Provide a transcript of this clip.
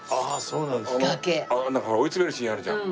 追い詰めるシーンあるじゃん？